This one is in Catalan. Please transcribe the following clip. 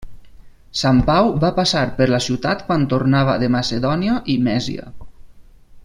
Sant Pau va passar per la ciutat quan tornava de Macedònia i Mèsia.